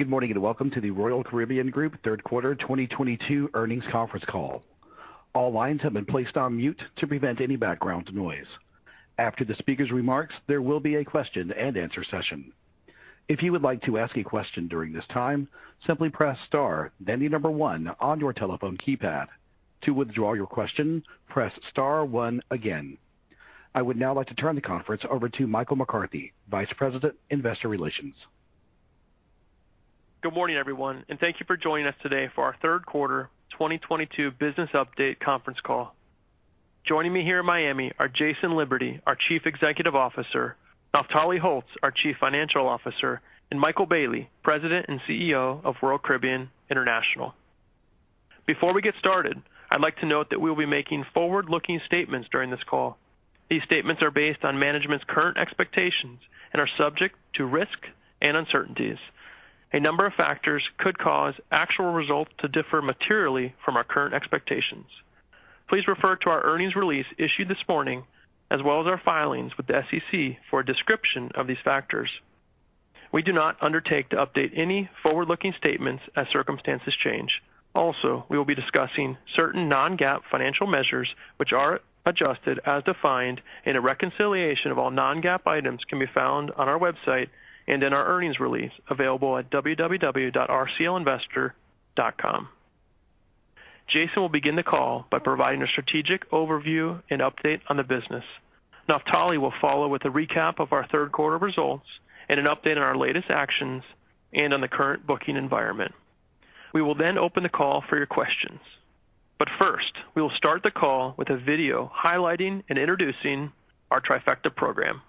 Good morning, and welcome to the Royal Caribbean Group third quarter 2022 earnings conference call. All lines have been placed on mute to prevent any background noise. After the speaker's remarks, there will be a question-and-answer session. If you would like to ask a question during this time, simply press star then the number one on your telephone keypad. To withdraw your question, press star one again. I would now like to turn the conference over to Michael McCarthy, Vice President, Investor Relations. Good morning, everyone, and thank you for joining us today for our third quarter 2022 business update conference call. Joining me here in Miami are Jason Liberty, our Chief Executive Officer, Naftali Holtz, our Chief Financial Officer, and Michael Bayley, President and CEO of Royal Caribbean International. Before we get started, I'd like to note that we'll be making forward-looking statements during this call. These statements are based on management's current expectations and are subject to risk and uncertainties. A number of factors could cause actual results to differ materially from our current expectations. Please refer to our earnings release issued this morning as well as our filings with the SEC for a description of these factors. We do not undertake to update any forward-looking statements as circumstances change. Also, we will be discussing certain non-GAAP financial measures, which are adjusted as defined in a reconciliation of all non-GAAP items, can be found on our website and in our earnings release available at www.rclinvestor.com. Jason will begin the call by providing a strategic overview and update on the business. Naftali will follow with a recap of our third quarter results and an update on our latest actions and on the current booking environment. We will then open the call for your questions. First, we will start the call with a video highlighting and introducing our Trifecta Program.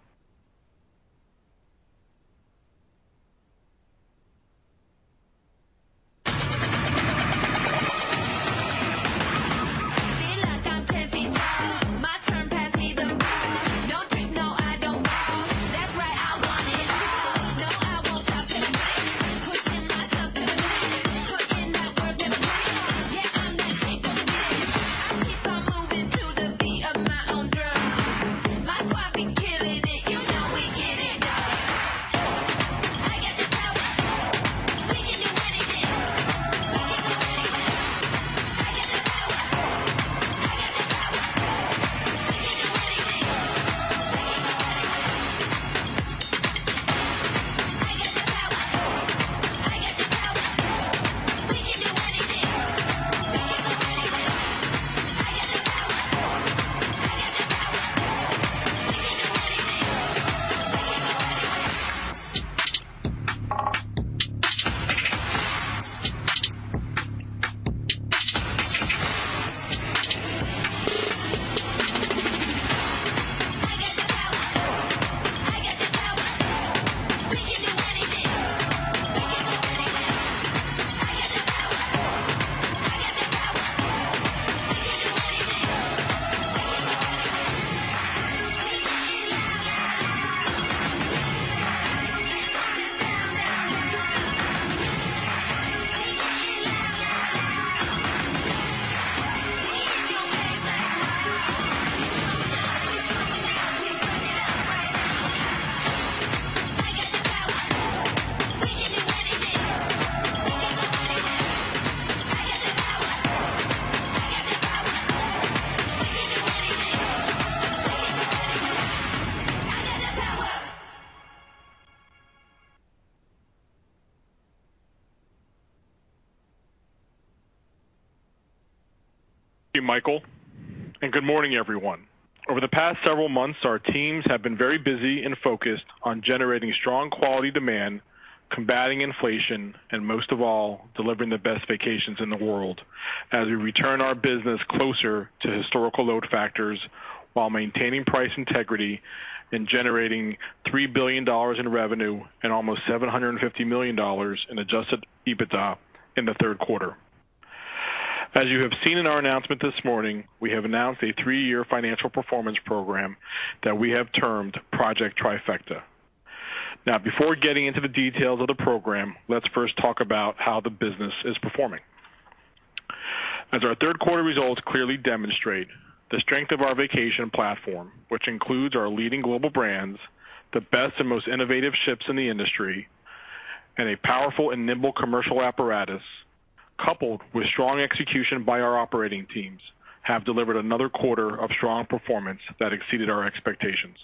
As you have seen in our announcement this morning, we have announced a three-year financial performance program that we have termed Project Trifecta. Now, before getting into the details of the program, let's first talk about how the business is performing. As our third quarter results clearly demonstrate the strength of our vacation platform, which includes our leading global brands, the best and most innovative ships in the industry and a powerful and nimble commercial apparatus, coupled with strong execution by our operating teams, have delivered another quarter of strong performance that exceeded our expectations.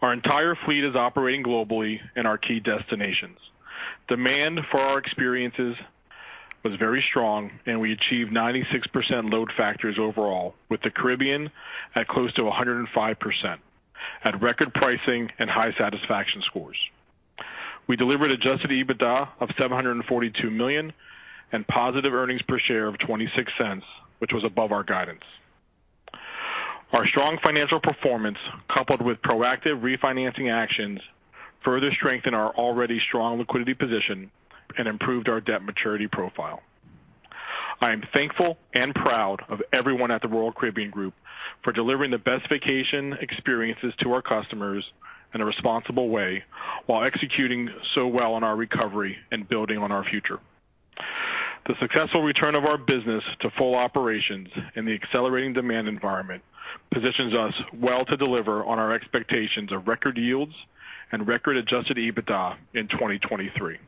Our entire fleet is operating globally in our key destinations. Demand for our experiences was very strong, and we achieved 96% Load Factor overall, with the Caribbean at close to 105% at record pricing and high satisfaction scores. We delivered Adjusted EBITDA of $742 million and positive earnings per share of $0.26, which was above our guidance. Our strong financial performance, coupled with proactive refinancing actions, further strengthen our already strong liquidity position and improved our debt maturity profile. I am thankful and proud of everyone at the Royal Caribbean Group for delivering the best vacation experiences to our customers in a responsible way while executing so well on our recovery and building on our future. The successful return of our business to full operations in the accelerating demand environment positions us well to deliver on our expectations of record yields and record Adjusted EBITDA in 2023.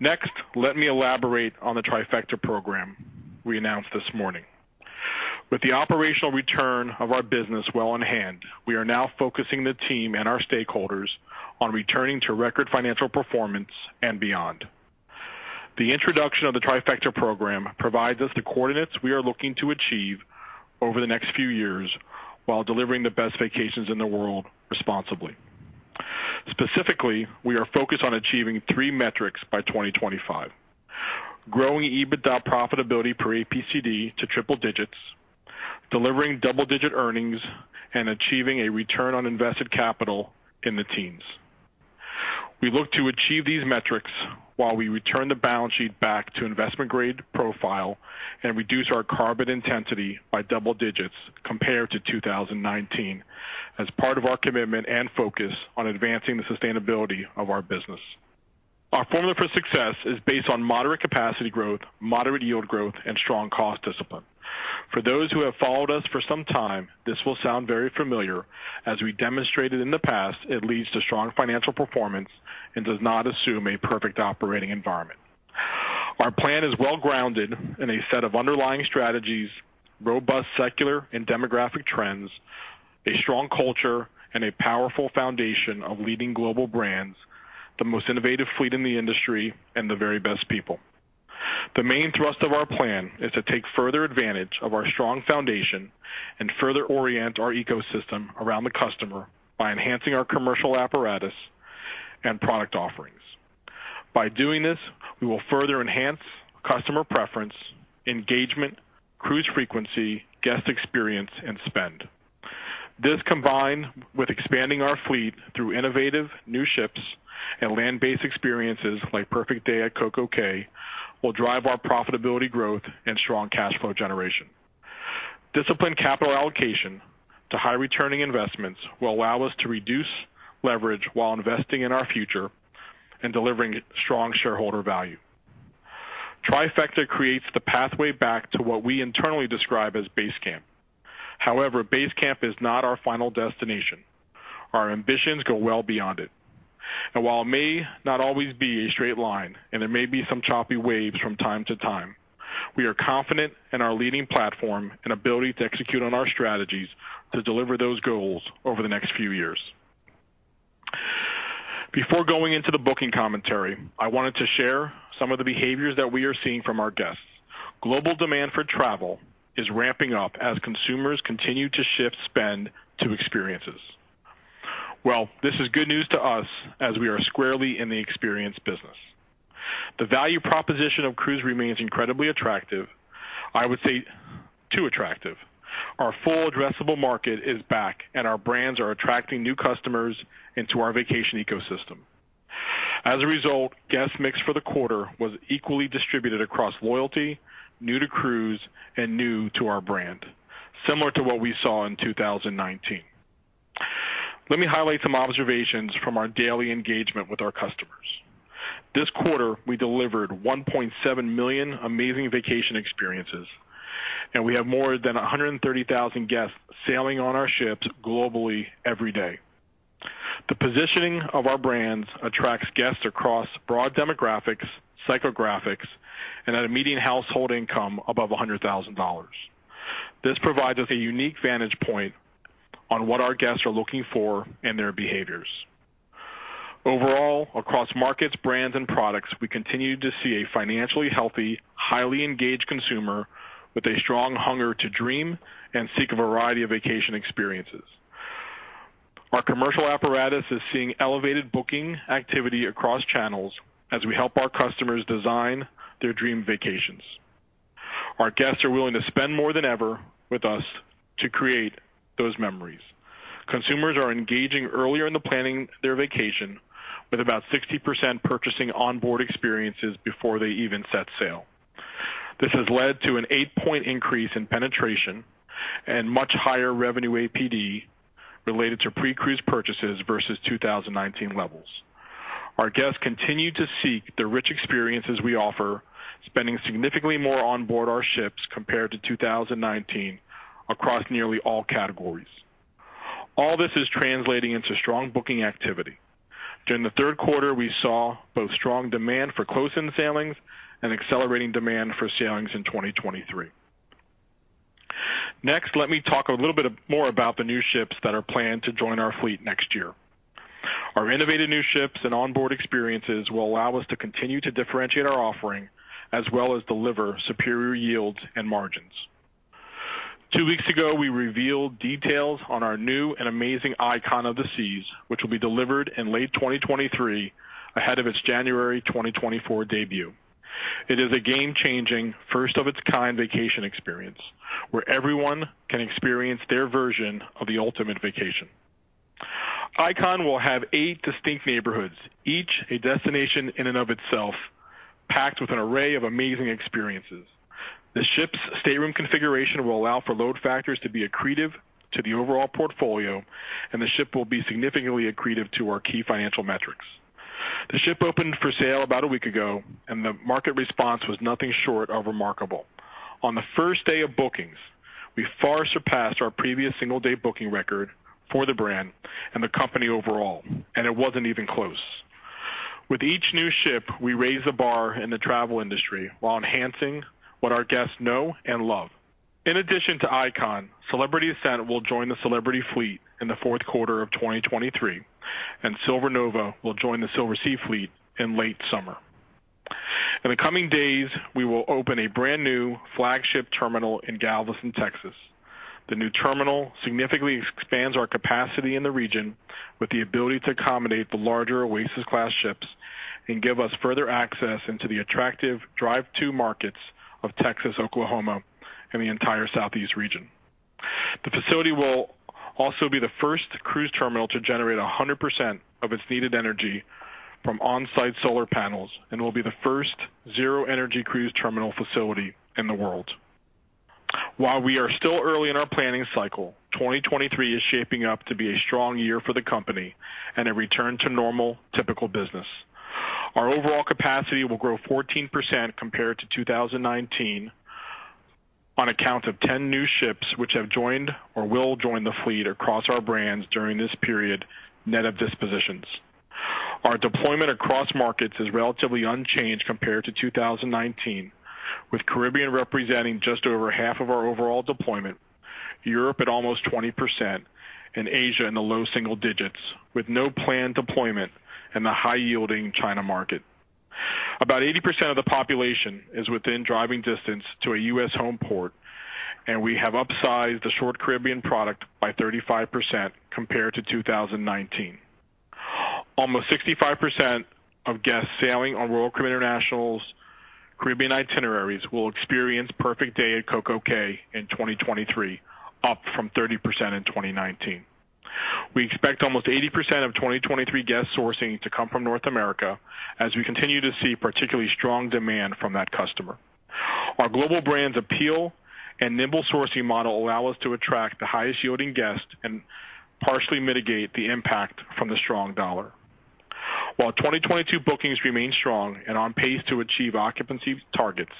Next, let me elaborate on the Trifecta Program we announced this morning. With the operational return of our business well in hand, we are now focusing the team and our stakeholders on returning to record financial performance and beyond. The introduction of the Trifecta Program provides us the coordinates we are looking to achieve over the next few years while delivering the best vacations in the world responsibly. Specifically, we are focused on achieving three metrics by 2025, growing EBITDA profitability per APCD to triple digits, delivering double-digit earnings, and achieving a Return on Invested Capital in the teens. We look to achieve these metrics while we return the Balance Sheet back to investment-grade profile and reduce our carbon intensity by double digits compared to 2019 as part of our commitment and focus on advancing the sustainability of our business. Our formula for success is based on moderate capacity growth, moderate yield growth, and strong cost discipline. For those who have followed us for some time, this will sound very familiar. As we demonstrated in the past, it leads to strong financial performance and does not assume a perfect operating environment. Our plan is well-grounded in a set of underlying strategies, robust secular and demographic trends, a strong culture and a powerful foundation of leading global brands, the most innovative fleet in the industry, and the very best people. The main thrust of our plan is to take further advantage of our strong foundation and further orient our ecosystem around the customer by enhancing our commercial apparatus and product offerings. By doing this, we will further enhance customer preference, engagement, cruise frequency, guest experience, and spend. This combined with expanding our fleet through innovative new ships and land-based experiences like Perfect Day at CocoCay, will drive our profitability growth and strong cash flow generation. Disciplined capital allocation to high-returning investments will allow us to reduce leverage while investing in our future and delivering strong shareholder value. Trifecta creates the pathway back to what we internally describe as base camp. However, base camp is not our final destination. Our ambitions go well beyond it. While it may not always be a straight line, and there may be some choppy waves from time to time, we are confident in our leading platform and ability to execute on our strategies to deliver those goals over the next few years. Before going into the booking commentary, I wanted to share some of the behaviors that we are seeing from our guests. Global demand for travel is ramping up as consumers continue to shift spend to experiences. Well, this is good news to us as we are squarely in the experience business. The value proposition of cruise remains incredibly attractive, I would say too attractive. Our full addressable market is back, and our brands are attracting new customers into our vacation ecosystem. As a result, guest mix for the quarter was equally distributed across loyalty, new to cruise, and new to our brand, similar to what we saw in 2019. Let me highlight some observations from our daily engagement with our customers. This quarter, we delivered 1.7 million amazing vacation experiences, and we have more than 130,000 guests sailing on our ships globally every day. The positioning of our brands attracts guests across broad demographics, psychographics, and at a median household income above $100,000. This provides us a unique vantage point on what our guests are looking for and their behaviors. Overall, across markets, brands, and products, we continue to see a financially healthy, highly engaged consumer with a strong hunger to dream and seek a variety of vacation experiences. Our commercial apparatus is seeing elevated booking activity across channels as we help our customers design their dream vacations. Our guests are willing to spend more than ever with us to create those memories. Consumers are engaging earlier in the planning their vacation with about 60% purchasing onboard experiences before they even set sail. This has led to an 8-point increase in penetration and much higher revenue APD related to pre-cruise purchases versus 2019 levels. Our guests continue to seek the rich experiences we offer, spending significantly more on board our ships compared to 2019 across nearly all categories. All this is translating into strong booking activity. During the third quarter, we saw both strong demand for close-in sailings and accelerating demand for sailings in 2023. Next, let me talk a little bit more about the new ships that are planned to join our fleet next year. Our innovative new ships and onboard experiences will allow us to continue to differentiate our offering as well as deliver superior yields and margins. Two weeks ago, we revealed details on our new and amazing Icon of the Seas, which will be delivered in late 2023 ahead of its January 2024 debut. It is a game-changing, first of its kind vacation experience where everyone can experience their version of the ultimate vacation. Icon will have eight distinct neighborhoods, each a destination in and of itself, packed with an array of amazing experiences. The ship's stateroom configuration will allow for Load Factor to be accretive to the overall portfolio, and the ship will be significantly accretive to our key financial metrics. The ship opened for sale about a week ago, and the market response was nothing short of remarkable. On the first day of bookings, we far surpassed our previous single-day booking record for the brand and the company overall, and it wasn't even close. With each new ship, we raise the bar in the travel industry while enhancing what our guests know and love. In addition to Icon, Celebrity Ascent will join the Celebrity fleet in the fourth quarter of 2023, and Silver Nova will join the Silversea fleet in late summer. In the coming days, we will open a brand-new flagship terminal in Galveston, Texas. The new terminal significantly expands our capacity in the region with the ability to accommodate the larger Oasis-class ships and give us further access into the attractive drive-to markets of Texas, Oklahoma, and the entire Southeast region. The facility will also be the first cruise terminal to generate 100% of its needed energy from on-site solar panels and will be the first zero-energy cruise terminal facility in the world. While we are still early in our planning cycle, 2023 is shaping up to be a strong year for the company and a return to normal typical business. Our overall capacity will grow 14% compared to 2019 on account of 10 new ships which have joined or will join the fleet across our brands during this period net of dispositions. Our deployment across markets is relatively unchanged compared to 2019, with Caribbean representing just over half of our overall deployment, Europe at almost 20%, and Asia in the low single digits, with no planned deployment in the high-yielding China market. About 80% of the population is within driving distance to a U.S. home port, and we have upsized the short Caribbean product by 35% compared to 2019. Almost 65% of guests sailing on Royal Caribbean International's Caribbean itineraries will experience Perfect Day at CocoCay in 2023, up from 30% in 2019. We expect almost 80% of 2023 guest sourcing to come from North America as we continue to see particularly strong demand from that customer. Our global brand's appeal and nimble sourcing model allow us to attract the highest-yielding guests and partially mitigate the impact from the strong dollar. While 2022 bookings remain strong and on pace to achieve occupancy targets,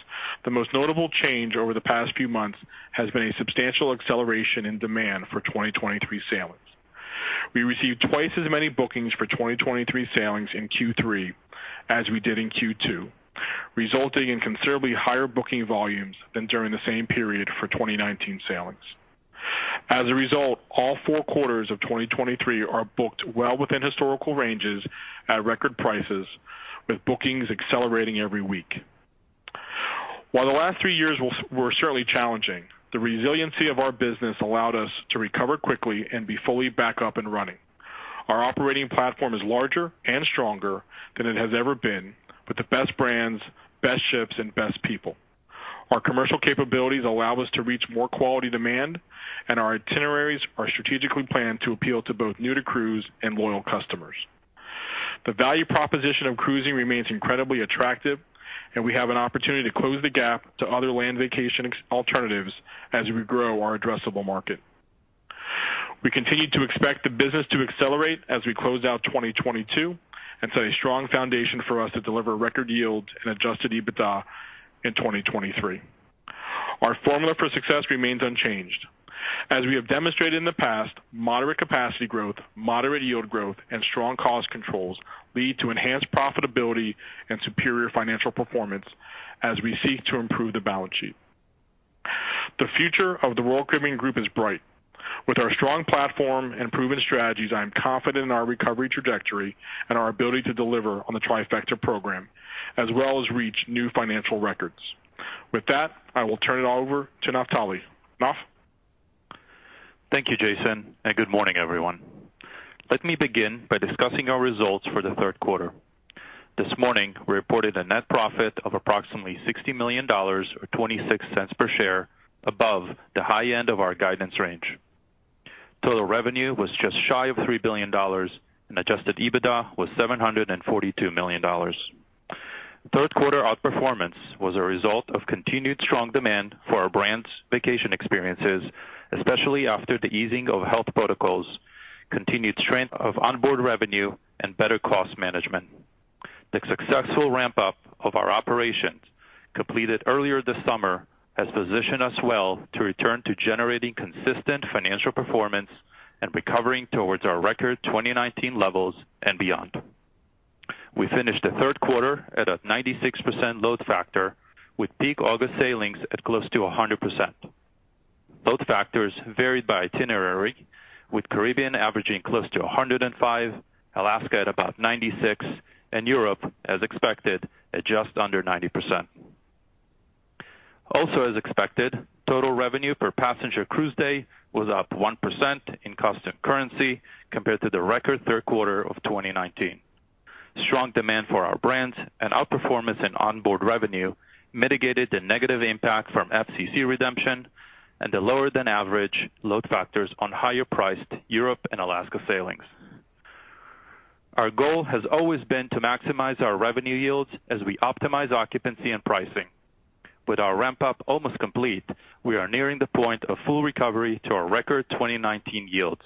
the most notable change over the past few months has been a substantial acceleration in demand for 2023 sailings. We received twice as many bookings for 2023 sailings in Q3 as we did in Q2, resulting in considerably higher booking volumes than during the same period for 2019 sailings. As a result, all four quarters of 2023 are booked well within historical ranges at record prices, with bookings accelerating every week. While the last three years were certainly challenging, the resiliency of our business allowed us to recover quickly and be fully back up and running. Our operating platform is larger and stronger than it has ever been, with the best brands, best ships, and best people. Our commercial capabilities allow us to reach more quality demand, and our itineraries are strategically planned to appeal to both new-to-cruise and loyal customers. The value proposition of cruising remains incredibly attractive, and we have an opportunity to close the gap to other land vacation alternatives as we grow our addressable market. We continue to expect the business to accelerate as we close out 2022 and set a strong foundation for us to deliver record yields and Adjusted EBITDA in 2023. Our formula for success remains unchanged. As we have demonstrated in the past, moderate capacity growth, moderate yield growth, and strong cost controls lead to enhanced profitability and superior financial performance as we seek to improve the Balance Sheet. The future of the Royal Caribbean Group is bright. With our strong platform and proven strategies, I am confident in our recovery trajectory and our ability to deliver on the Trifecta Program, as well as reach new financial records. With that, I will turn it over to Naftali. Naf? Thank you, Jason, and good morning, everyone. Let me begin by discussing our results for the third quarter. This morning, we reported a net profit of approximately $60 million or 0.26 per share above the high end of our guidance range. Total revenue was just shy of $3 billion, and Adjusted EBITDA was $742 million. Third quarter outperformance was a result of continued strong demand for our brands' vacation experiences, especially after the easing of health protocols, continued strength of onboard revenue, and better cost management. The successful ramp-up of our operations completed earlier this summer has positioned us well to return to generating consistent financial performance and recovering towards our record 2019 levels and beyond. We finished the third quarter at a 96% Load Factor, with peak August sailings at close to 100%. Load Factor varied by itinerary, with Caribbean averaging close to 105, Alaska at about 96, and Europe, as expected, at just under 90%. Also as expected, total revenue per Passenger Cruise Day was up 1% in Constant-Currency compared to the record third quarter of 2019. Strong demand for our brands and outperformance in onboard revenue mitigated the negative impact from FCC redemption and the lower-than-average Load Factor on higher-priced Europe and Alaska sailings. Our goal has always been to maximize our revenue yields as we optimize occupancy and pricing. With our ramp-up almost complete, we are nearing the point of full recovery to our record 2019 yields.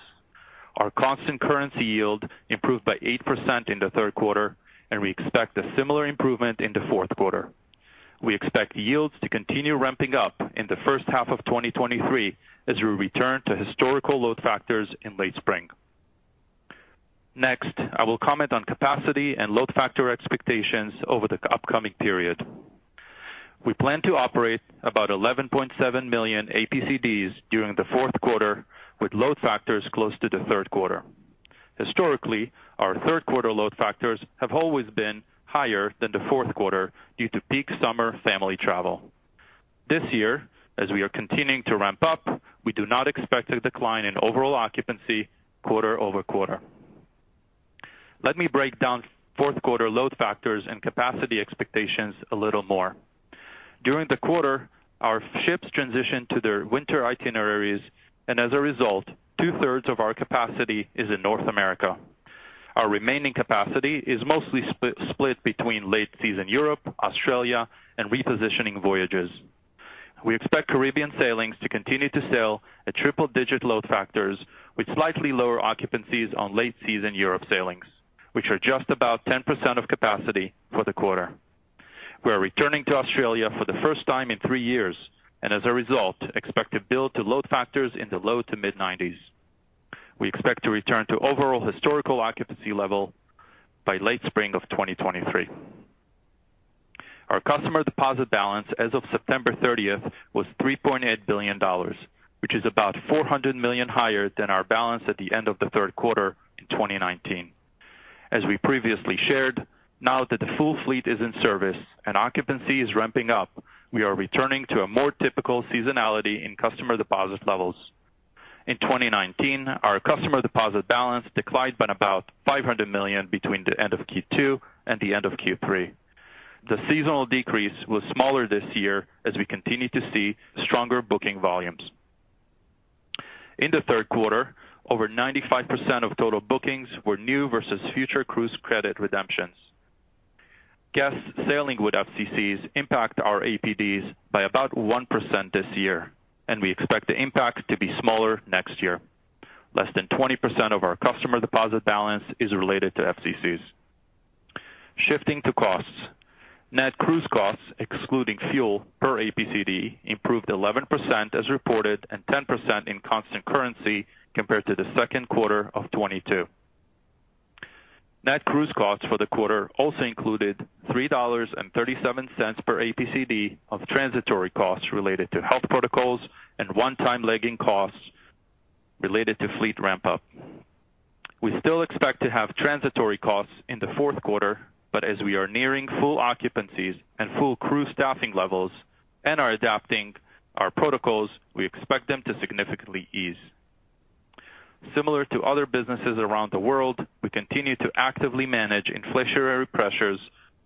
Our Constant-Currency yield improved by 8% in the third quarter, and we expect a similar improvement in the fourth quarter. We expect yields to continue ramping up in the first half of 2023 as we return to historical Load Factor in late spring. Next, I will comment on capacity and Load Factor expectations over the upcoming period. We plan to operate about 11.7 million APCDs during the fourth quarter with Load Factor close to the third quarter. Historically, our third quarter Load Factor have always been higher than the fourth quarter due to peak summer family travel. This year, as we are continuing to ramp up, we do not expect a decline in overall occupancy quarter-over-quarter. Let me break down fourth-quarter Load Factor and capacity expectations a little more. During the quarter, our ships transitioned to their winter itineraries and as a result, two-thirds of our capacity is in North America. Our remaining capacity is mostly split between late season Europe, Australia and repositioning voyages. We expect Caribbean sailings to continue to sail at triple-digit Load Factor with slightly lower occupancies on late-season Europe sailings, which are just about 10% of capacity for the quarter. We are returning to Australia for the first time in three years and as a result, expect to build to Load Factor in the low- to mid-90s. We expect to return to overall historical occupancy level by late spring of 2023. Our customer deposit balance as of September 30 was $3.8 billion, which is about 400 million higher than our balance at the end of the third quarter in 2019. As we previously shared, now that the full fleet is in service and occupancy is ramping up, we are returning to a more typical seasonality in customer deposit levels. In 2019, our customer deposit balance declined by about $500 million between the end of Q2 and the end of Q3. The seasonal decrease was smaller this year as we continue to see stronger booking volumes. In the third quarter, over 95% of total bookings were new versus future cruise credit redemptions. Guests sailing with FCCs impact our APDs by about 1% this year, and we expect the impact to be smaller next year. Less than 20% of our customer deposit balance is related to FCCs. Shifting to costs. Net Gross Cruise Costs excluding Fuel per APCD improved 11% as reported and 10% in Constant-Currency compared to the second quarter of 2022. Net Gross Cruise Costs for the quarter also included $3.37 per APCD of transitory costs related to health protocols and one-time lagging costs related to fleet ramp-up. We still expect to have transitory costs in the fourth quarter, but as we are nearing full occupancies and full crew staffing levels and are adapting our protocols, we expect them to significantly ease. Similar to other businesses around the world, we continue to actively manage inflationary pressures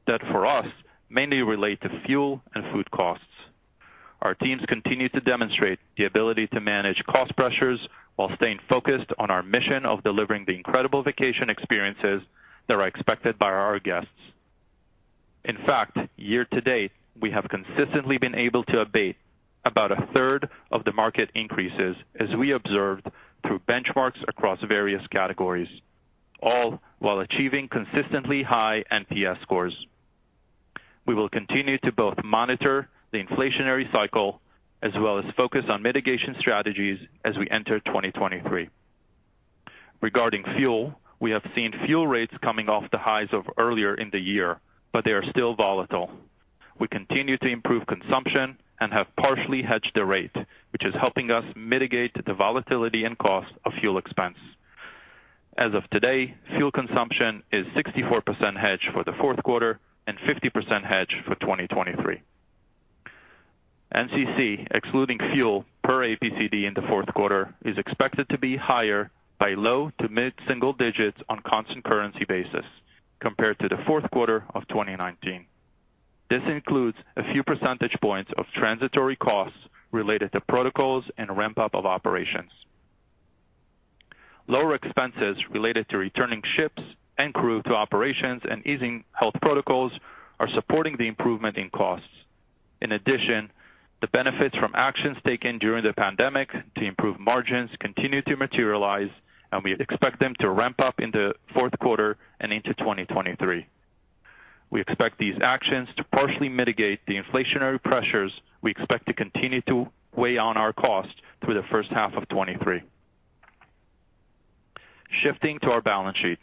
that for us mainly relate to fuel and food costs. Our teams continue to demonstrate the ability to manage cost pressures while staying focused on our mission of delivering the incredible vacation experiences that are expected by our guests. In fact, year-to-date, we have consistently been able to abate about a third of the market increases as we observed through benchmarks across various categories, all while achieving consistently high NPS scores. We will continue to both monitor the inflationary cycle as well as focus on mitigation strategies as we enter 2023. Regarding fuel, we have seen fuel rates coming off the highs of earlier in the year, but they are still volatile. We continue to improve consumption and have partially hedged the rate, which is helping us mitigate the volatility and cost of fuel expense. As of today, fuel consumption is 64% hedged for the fourth quarter and 50% hedged for 2023. NCC, excluding Fuel per APCD in the fourth quarter, is expected to be higher by low- to mid-single digits% on Constant-Currency basis compared to the fourth quarter of 2019. This includes a few percentage points of transitory costs related to protocols and ramp-up of operations. Lower expenses related to returning ships and crew to operations and easing health protocols are supporting the improvement in costs. In addition, the benefits from actions taken during the pandemic to improve margins continue to materialize, and we expect them to ramp up in the fourth quarter and into 2023. We expect these actions to partially mitigate the inflationary pressures we expect to continue to weigh on our cost through the first half of 2023. Shifting to our Balance Sheet.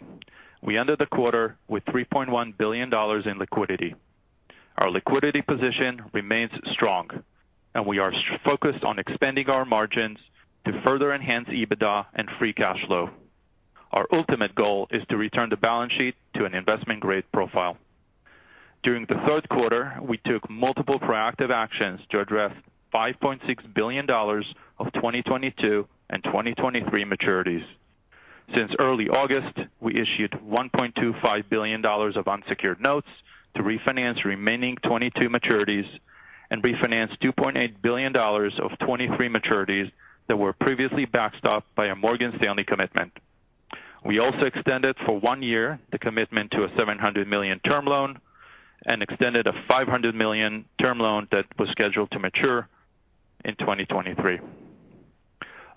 We ended the quarter with $3.1 billion in liquidity. Our liquidity position remains strong and we are focused on expanding our margins to further enhance EBITDA and free cash flow. Our ultimate goal is to return the Balance Sheet to an investment-grade profile. During the third quarter, we took multiple proactive actions to address $5.6 billion of 2022 and 2023 maturities. Since early August, we issued $1.25 billion of unsecured notes to refinance remaining 2022 maturities and refinance $2.8 billion of 2023 maturities that were previously backstopped by a Morgan Stanley commitment. We also extended for one year the commitment to a $700 million term loan and extended a $500 million term loan that was scheduled to mature in 2023.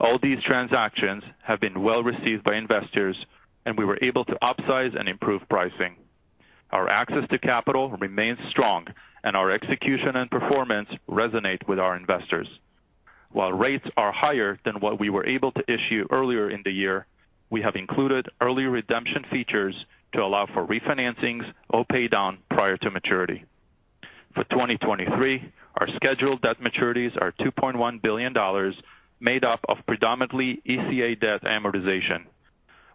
All these transactions have been well received by investors, and we were able to upsize and improve pricing. Our access to capital remains strong and our execution and performance resonate with our investors. While rates are higher than what we were able to issue earlier in the year, we have included early redemption features to allow for refinancings or pay down prior to maturity. For 2023, our scheduled debt maturities are $2.1 billion, made up of predominantly ECA debt amortization,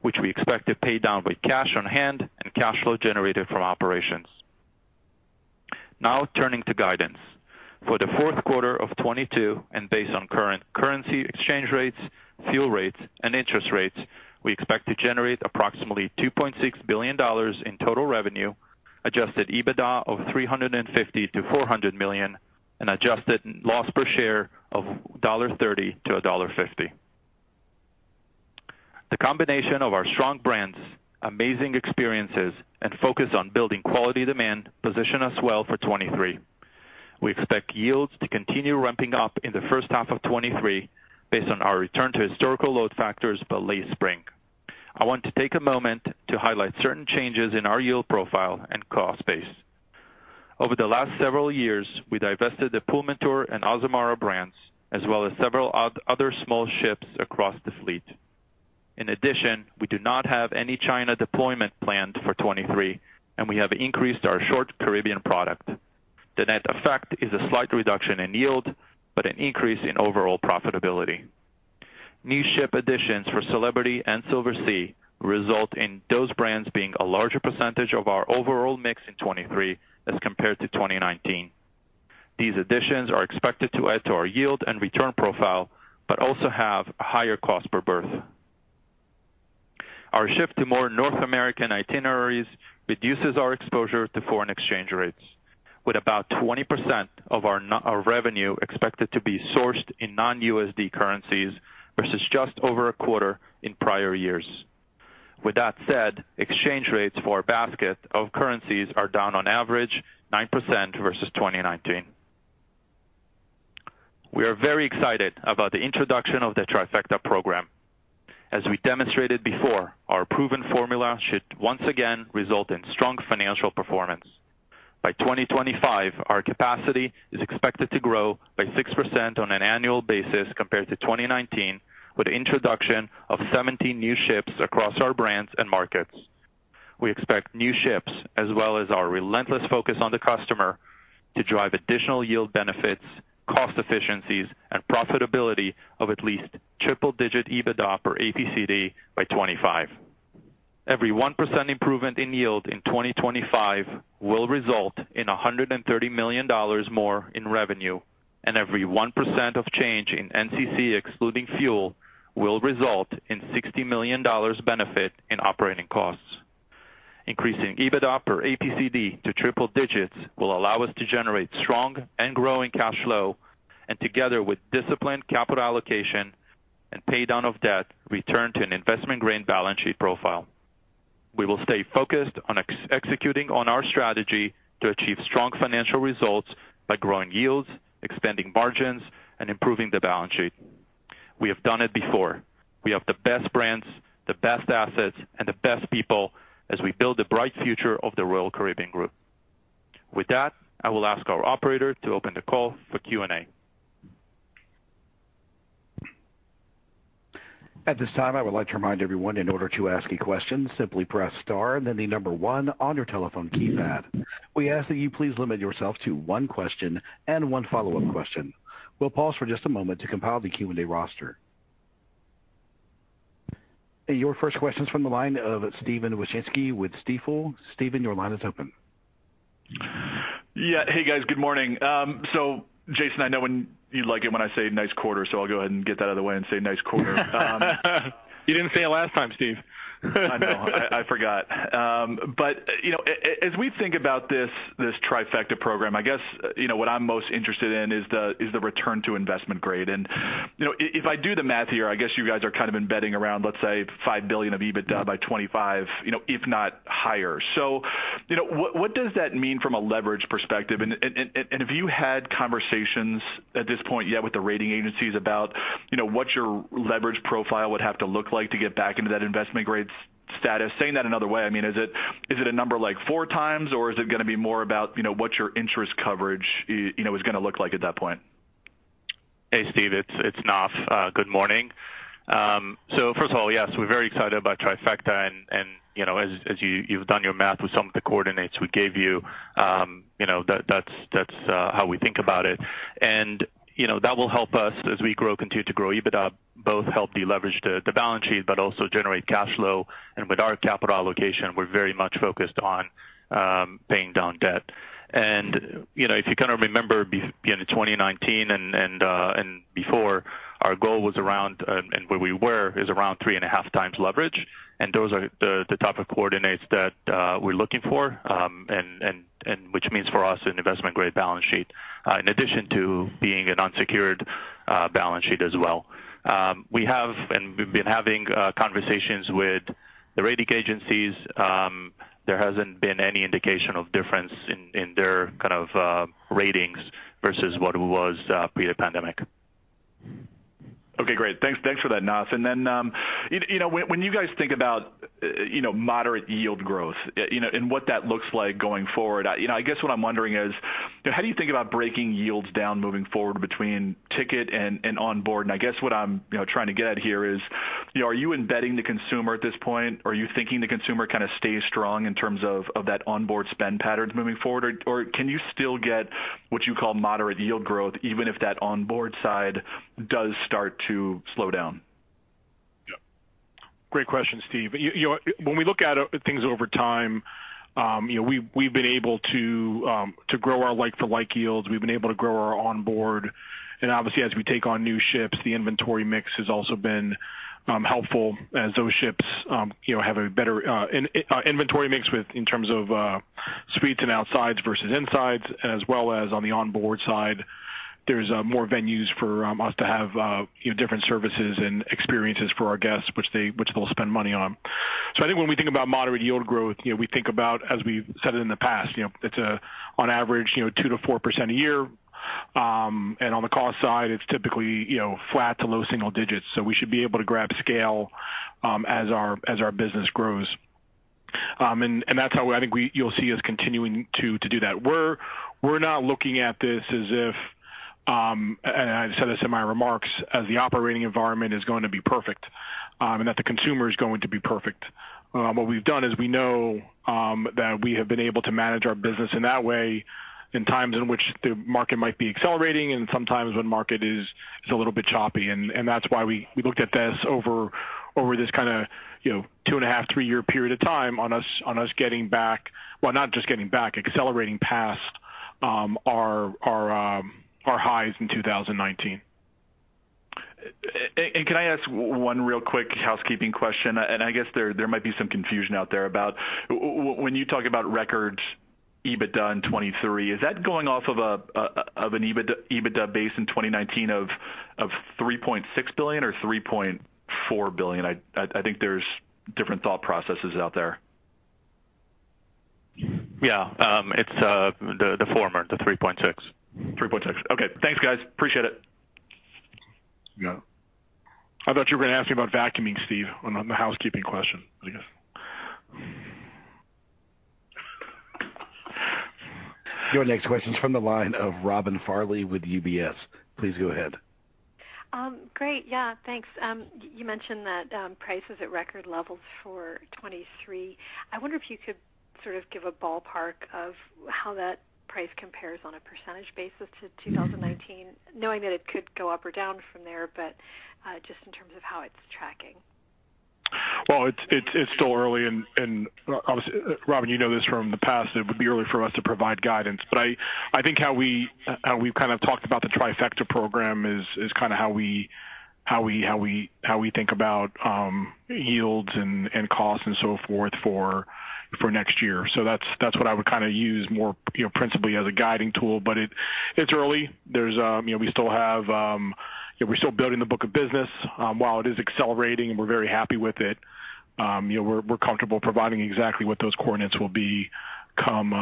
which we expect to pay down with cash on hand and cash flow generated from operations. Now turning to guidance. For the fourth quarter of 2022 and based on current currency exchange rates, fuel rates, and interest rates, we expect to generate approximately $2.6 billion in total revenue, Adjusted EBITDA of $350 million400 million and adjusted loss per share of $1.30-1.50. The combination of our strong brands, amazing experiences, and focus on building quality demand position us well for 2023. We expect yields to continue ramping up in the first half of 2023 based on our return to historical Load Factor by late spring. I want to take a moment to highlight certain changes in our yield profile and cost base. Over the last several years, we divested the Pullmantur and Azamara brands, as well as several other small ships across the fleet. In addition, we do not have any China deployment planned for 2023, and we have increased our short Caribbean product. The net effect is a slight reduction in yield, but an increase in overall profitability. New ship additions for Celebrity and Silversea result in those brands being a larger percentage of our overall mix in 2023 as compared to 2019. These additions are expected to add to our yield and return profile, but also have a higher cost per berth. Our shift to more North American itineraries reduces our exposure to foreign exchange rates, with about 20% of our revenue expected to be sourced in non-USD currencies versus just over a quarter in prior years. With that said, exchange rates for our basket of currencies are down on average 9% versus 2019. We are very excited about the introduction of the Trifecta Program. As we demonstrated before, our proven formula should once again result in strong financial performance. By 2025, our capacity is expected to grow by 6% on an annual basis compared to 2019, with the introduction of 17 new ships across our brands and markets. We expect new ships as well as our relentless focus on the customer to drive additional yield benefits, cost efficiencies, and profitability of at least triple-digit EBITDA per APCD by 2025. Every 1% improvement in yield in 2025 will result in $130 million more in revenue, and every 1% change in NCC excluding fuel will result in $60 million benefit in operating costs. Increasing EBITDA per APCD to triple digits will allow us to generate strong and growing cash flow, and together with disciplined capital allocation and pay down of debt, return to an investment-grade Balance Sheet profile. We will stay focused on executing on our strategy to achieve strong financial results by growing yields, expanding margins, and improving the Balance Sheet. We have done it before. We have the best brands, the best assets, and the best people as we build the bright future of the Royal Caribbean Group. With that, I will ask our operator to open the call for Q&A. At this time, I would like to remind everyone in order to ask a question, simply press star and then the number one on your telephone keypad. We ask that you please limit yourself to one question and one follow-up question. We'll pause for just a moment to compile the Q&A roster. Your first question's from the line of Steve Wieczynski with Stifel. Steven, your line is open. Yeah. Hey, guys. Good morning. Jason, I know when you like it when I say nice quarter, so I'll go ahead and get that out of the way and say nice quarter. You didn't say it last time, Steve. I know. I forgot. You know, as we think about this Trifecta Program, I guess you know what I'm most interested in is the return to investment grade. If I do the math here, I guess you guys are kind of embedding around, let's say, $5 billion of EBITDA by 2025, you know, if not higher. What does that mean from a leverage perspective? Have you had conversations at this point yet with the rating agencies about you know what your leverage profile would have to look like to get back into that investment grade status? Saying that another way, I mean, is it a number like 4x, or is it gonna be more about you know what your interest coverage you know is gonna look like at that point? Hey, Steve, it's Naf. Good morning. First of all, yes, we're very excited about Trifecta, and you know, as you've done your math with some of the coordinates we gave you know, that's how we think about it. You know, that will help us as we grow, continue to grow EBITDA, both help deleverage theBalance Sheet, but also generate cash flow. With our capital allocation, we're very much focused on paying down debt. You know, if you kind of remember before, you know, 2019 and before, our goal was around, and where we were is around three and a half times leverage. Those are the type of coordinates that we're looking for, and which means for us an investment-grade Balance Sheet in addition to being an unsecured Balance Sheet as well. We have, and we've been having conversations with the rating agencies. There hasn't been any indication of difference in their kind of ratings versus what it was pre the pandemic. Okay, great. Thanks for that, Naf. You know, when you guys think about, you know, moderate yield growth, you know, and what that looks like going forward, you know, I guess what I'm wondering is, you know, how do you think about breaking yields down moving forward between ticket and onboard? I guess what I'm, you know, trying to get at here is, you know, are you embedding the consumer at this point? Are you thinking the consumer kind of stays strong in terms of that onboard spend patterns moving forward? Or can you still get what you call moderate yield growth even if that onboard side does start to slow down? Yeah. Great question, Steve. You know what? When we look at things over time, you know, we've been able to grow our like-for-like yields. We've been able to grow our onboard. Obviously, as we take on new ships, the inventory mix has also been helpful as those ships, you know, have a better inventory mix with, in terms of, suites and outsides versus insides, as well as on the onboard side, there's more venues for us to have, you know, different services and experiences for our guests, which they'll spend money on. I think when we think about moderate yield growth, you know, we think about, as we've said it in the past, you know, it's a, on average, you know, 2%-4% a year. On the cost side, it's typically, you know, flat to low single digits. We should be able to grab scale as our business grows. That's how I think you'll see us continuing to do that. We're not looking at this as if, and I said this in my remarks, as the operating environment is going to be perfect, and that the consumer is going to be perfect. What we've done is we know that we have been able to manage our business in that way in times in which the market might be accelerating and sometimes when market is a little bit choppy. That's why we looked at this over this kind of, you know, 2.5, three-year period of time on us getting back. Well, not just getting back, accelerating past our highs in 2019. Can I ask one real quick housekeeping question? I guess there might be some confusion out there about when you talk about record EBITDA in 2023, is that going off of an EBITDA base in 2019 of $3.6 billion or 3.4 billion? I think there's different thought processes out there? Yeah. It's the former, the 3.6%. 3.6%. Okay. Thanks, guys. Appreciate it. Yeah. I thought you were gonna ask me about vacuuming, Steve, on the housekeeping question, I guess. Your next question is from the line of Robin Farley with UBS. Please go ahead. Great. Yeah. Thanks. You mentioned that prices at record levels for 2023. I wonder if you could sort of give a ballpark of how that price compares on a percentage basis to 2019, knowing that it could go up or down from there, but just in terms of how it's tracking. Well, it's still early and obviously, Robin, you know this from the past, it would be early for us to provide guidance. I think how we've kind of talked about the Trifecta Program is kind of how we think about yields and costs and so forth for next year. That's what I would kind of use more, you know, principally as a guiding tool. It's early. You know, we still have. We're still building the book of business. While it is accelerating and we're very happy with it, you know, we're comfortable providing exactly what those coordinates will be come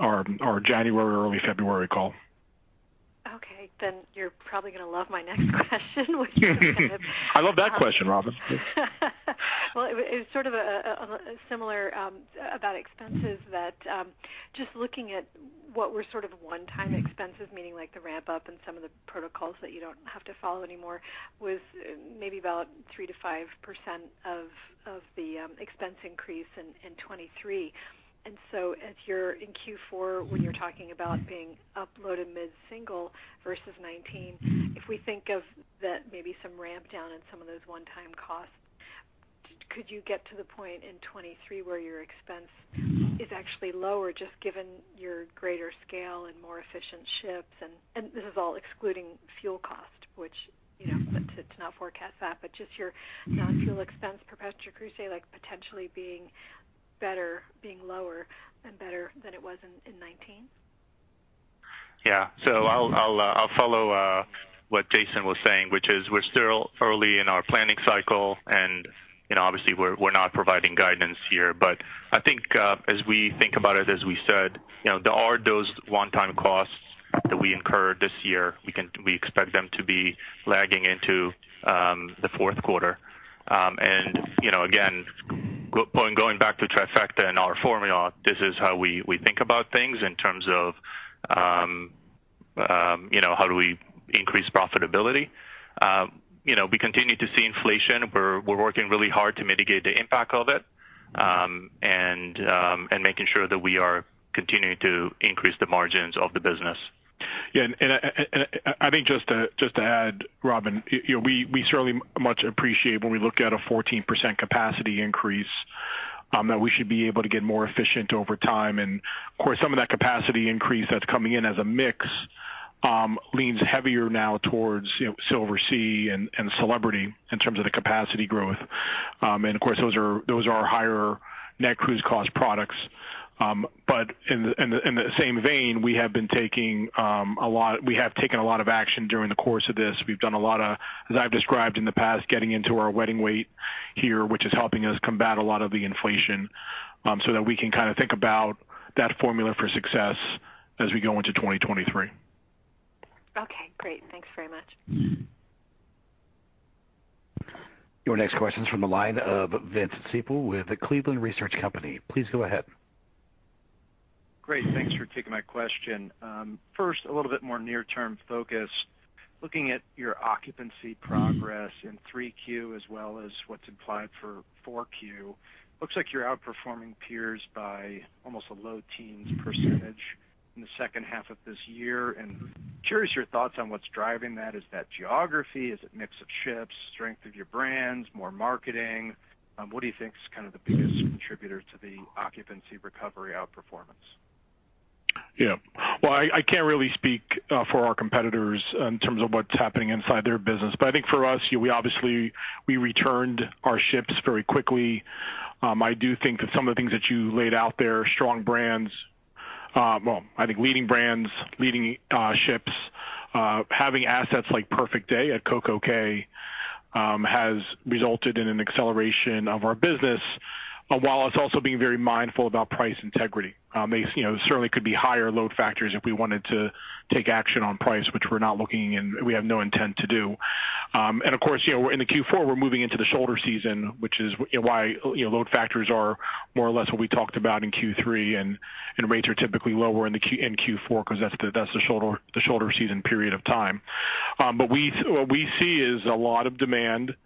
our January or early February call. Okay. You're probably gonna love my next question, which. I love that question, Robin. Well, it's sort of a similar about expenses that just looking at what were sort of one-time expenses, meaning like the ramp up and some of the protocols that you don't have to follow anymore, was maybe about 3%-5% of the expense increase in 2023. If you're in Q4 when you're talking about being up low to mid-single % versus 2019, if we think of that maybe some ramp down in some of those one-time costs, could you get to the point in 2023 where your expense is actually lower just given your greater scale and more efficient ships and this is all excluding fuel cost, which, you know, but to not forecast that, but just your non-fuel expense per passenger cruise, say, like, potentially being better, being lower and better than it was in 2019? Yeah. I'll follow what Jason was saying, which is we're still early in our planning cycle, and, you know, obviously we're not providing guidance here. I think, as we think about it, as we said, you know, there are those one-time costs that we incurred this year. We expect them to be lagging into the fourth quarter. You know, again, going back to Trifecta and our formula, this is how we think about things in terms of, you know, how do we increase profitability. You know, we continue to see inflation. We're working really hard to mitigate the impact of it, and making sure that we are continuing to increase the margins of the business. Yeah. I think just to add, Robin, you know, we certainly much appreciate when we look at a 14% capacity increase that we should be able to get more efficient over time. Of course, some of that capacity increase that's coming in as a mix leans heavier now towards, you know, Silversea and Celebrity in terms of the capacity growth. Of course, those are higher Net Cruise cost products, but in the same vein, we have taken a lot of action during the course of this. We've done a lot of, as I've described in the past, getting into our wedding weight here, which is helping us combat a lot of the inflation, so that we can kind of think about that formula for success as we go into 2023. Okay, great. Thanks very much. Your next question is from the line of Vince Ciepiel with Cleveland Research Company. Please go ahead. Great. Thanks for taking my question. First, a little bit more near-term focus. Looking at your occupancy progress in 3Q as well as what's implied for 4Q. Looks like you're outperforming peers by almost a low-teens percentage in the second half of this year. Curious your thoughts on what's driving that. Is that geography? Is it mix of ships, strength of your brands, more marketing? What do you think is kind of the biggest contributor to the occupancy recovery outperformance? Yeah. Well, I can't really speak for our competitors in terms of what's happening inside their business. I think for us, we obviously returned our ships very quickly. I do think that some of the things that you laid out there, strong brands, well, I think leading brands, leading ships, having assets like Perfect Day at CocoCay, has resulted in an acceleration of our business, while it's also being very mindful about price integrity. There, you know, certainly could be higher Load Factor if we wanted to take action on price, which we're not looking and we have no intent to do. Of course, you know, in the Q4, we're moving into the shoulder season, which is why, you know, Load Factor are more or less what we talked about in Q3, and rates are typically lower in Q4 because that's the shoulder season period of time. What we see is a lot of demand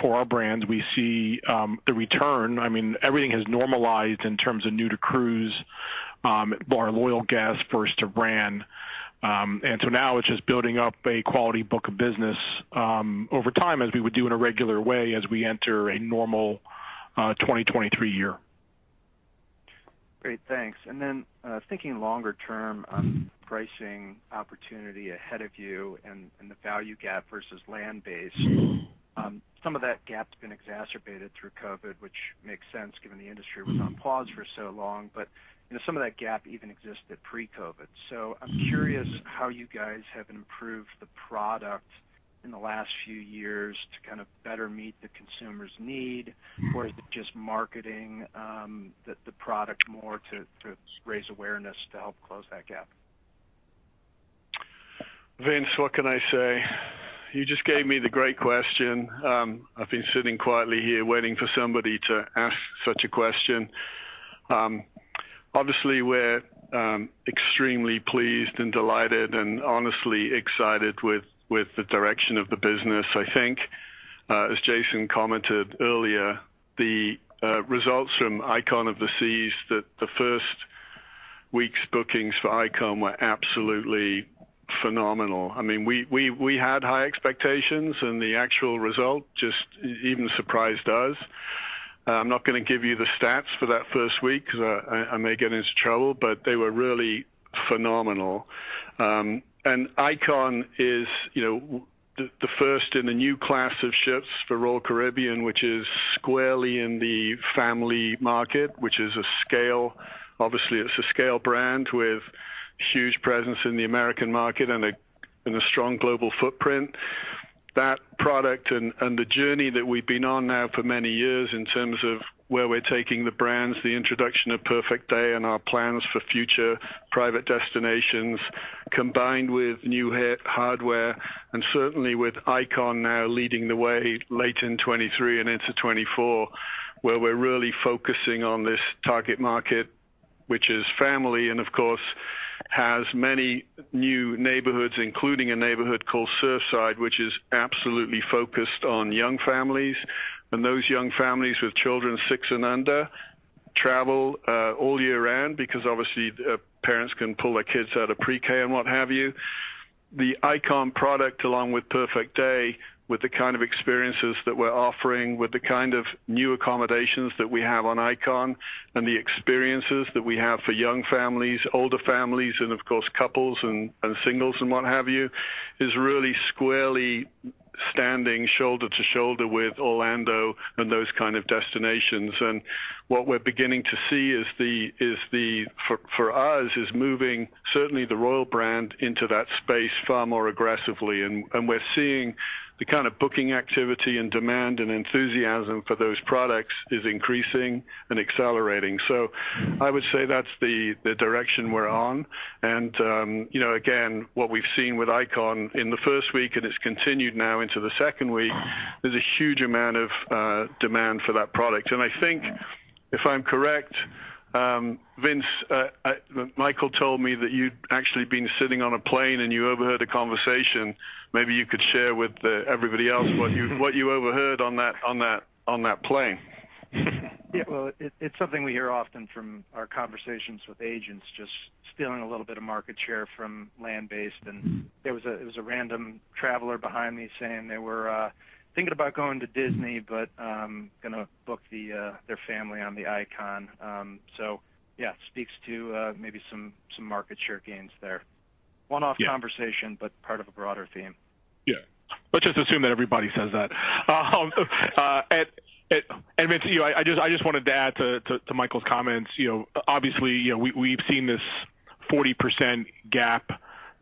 for our brands. We see the return. I mean, everything has normalized in terms of new to cruise, our loyal guests, first to brand. Now it's just building up a quality book of business over time, as we would do in a regular way as we enter a normal 2023 year. Great, thanks. Then, thinking longer term on pricing opportunity ahead of you and the value gap versus land-based. Some of that gap's been exacerbated through COVID, which makes sense given the industry was on pause for so long. You know, some of that gap even existed pre-COVID. I'm curious how you guys have improved the product in the last few years to kind of better meet the consumer's need. Is it just marketing the product more to raise awareness to help close that gap? Vince, what can I say? You just gave me the great question. I've been sitting quietly here waiting for somebody to ask such a question. Obviously, we're extremely pleased and delighted and honestly excited with the direction of the business. I think, as Jason commented earlier, the results from Icon of the Seas, that the first week's bookings for Icon were absolutely phenomenal. I mean, we had high expectations, and the actual result just even surprised us. I'm not going to give you the stats for that first week because I may get into trouble, but they were really phenomenal. Icon is, you know, the first in the new class of ships for Royal Caribbean, which is squarely in the family market, which is a scale. Obviously, it's a scale brand with huge presence in the American market and a strong global footprint. That product and the journey that we've been on now for many years in terms of where we're taking the brands, the introduction of Perfect Day and our plans for future private destinations, combined with new hardware, and certainly with Icon now leading the way late in 2023 and into 2024, where we're really focusing on this target market, which is family and of course has many new neighborhoods, including a neighborhood called Surfside, which is absolutely focused on young families. Those young families with children six and under travel all year round because obviously parents can pull their kids out of pre-K and what have you. The Icon product, along with Perfect Day, with the kind of experiences that we're offering, with the kind of new accommodations that we have on Icon and the experiences that we have for young families, older families, and of course, couples and singles and what have you, is really squarely standing shoulder to shoulder with Orlando and those kind of destinations. What we're beginning to see is moving certainly the Royal brand into that space far more aggressively. We're seeing the kind of booking activity and demand and enthusiasm for those products is increasing and accelerating. I would say that's the direction we're on. You know, again, what we've seen with Icon in the first week, and it's continued now into the second week, there's a huge amount of demand for that product. I think if I'm correct, Vince, Michael told me that you'd actually been sitting on a plane and you overheard a conversation. Maybe you could share with everybody else what you overheard on that plane. Yeah. Well, it's something we hear often from our conversations with agents, just stealing a little bit of market share from land-based. There was a random traveler behind me saying they were thinking about going to Disney, but gonna book their family on the Icon. Speaks to maybe some market share gains there. One-off conversation. Yeah. Part of a broader theme? Yeah. Let's just assume that everybody says that. Vince, you know, I just wanted to add to Michael's comments, you know, obviously, you know, we've seen this 40% gap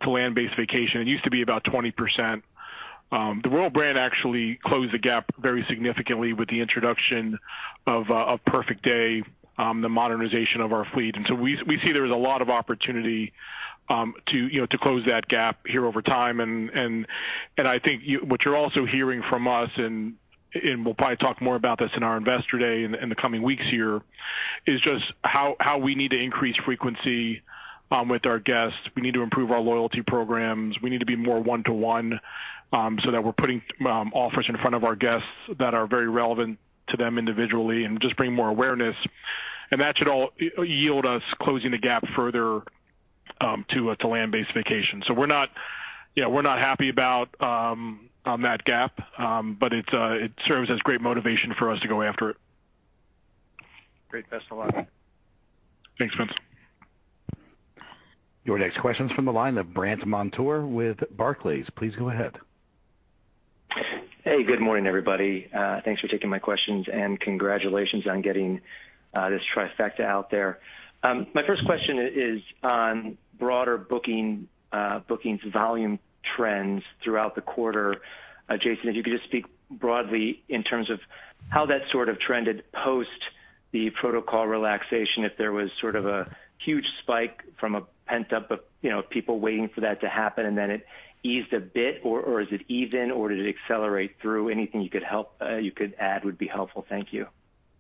to land-based vacation. It used to be about 20%. The Royal brand actually closed the gap very significantly with the introduction of Perfect Day, the modernization of our fleet. We see there is a lot of opportunity to close that gap here over time. I think what you're also hearing from us, and we'll probably talk more about this in our Investor Day in the coming weeks here, is just how we need to increase frequency with our guests. We need to improve our loyalty programs. We need to be more one-to-one, so that we're putting offers in front of our guests that are very relevant to them individually and just bring more awareness. That should all yield us closing the gap further to land-based vacations. We're not, you know, happy about that gap, but it serves as great motivation for us to go after it. Great. Thanks a lot. Thanks, Vince. Your next question is from the line of Brandt Montour with Barclays. Please go ahead. Hey, good morning, everybody. Thanks for taking my questions, and congratulations on getting this Trifecta out there. My first question is on broader booking, bookings volume trends throughout the quarter. Jason, if you could just speak broadly in terms of how that sort of trended post the protocol relaxation, if there was sort of a huge spike from a pent-up of, you know, people waiting for that to happen, and then it eased a bit, or is it even, or did it accelerate through? Anything you could help, you could add would be helpful. Thank you.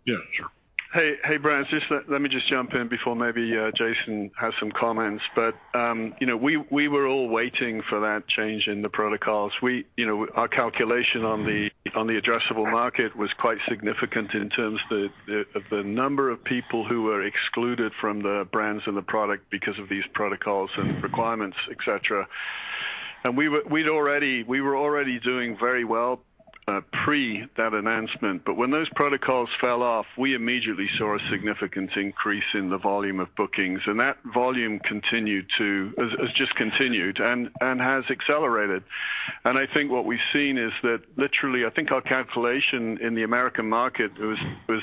Yeah, sure. Hey, Brandt, let me just jump in before maybe Jason has some comments. You know, we were all waiting for that change in the protocols. You know, our calculation on the addressable market was quite significant in terms of the number of people who were excluded from the brands and the product because of these protocols and requirements, et cetera. We were already doing very well pre that announcement. When those protocols fell off, we immediately saw a significant increase in the volume of bookings. That volume has just continued and has accelerated. I think what we've seen is that literally I think our calculation in the American market was